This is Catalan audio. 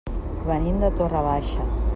Venim de Torre Baixa.